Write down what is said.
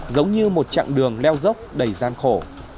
giống như một chặng đường leo dốc đầy gian khổ